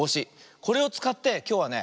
これをつかってきょうはね